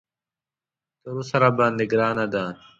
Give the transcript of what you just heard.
تر اوسه راباندې ګرانه ده.